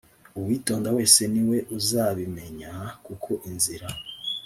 uwitonda wese ni we uzabimenya kuko inzira